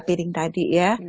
piring tadi ya